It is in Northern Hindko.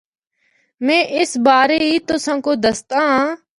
میں اس بارے ای تُساں کو دسداں آں۔